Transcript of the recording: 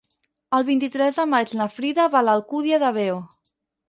El vint-i-tres de maig na Frida va a l'Alcúdia de Veo.